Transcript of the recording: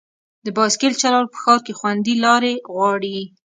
د بایسکل چلول په ښار کې خوندي لارې غواړي.